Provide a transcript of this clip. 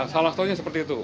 salah satunya seperti itu